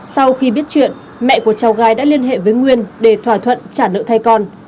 sau khi biết chuyện mẹ của cháu gái đã liên hệ với nguyên để thỏa thuận trả nợ thay con